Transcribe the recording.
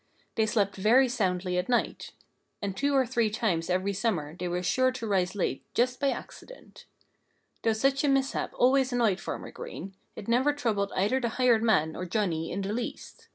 they slept very soundly at night. And two or three times every summer they were sure to rise late, just by accident. Though such a mishap always annoyed Farmer Green, it never troubled either the hired man or Johnnie in the least.